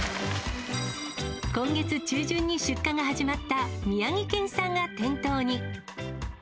今月中旬に出荷が始まった宮城県産が店頭に。